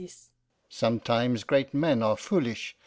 'Sometimes great men are foolish.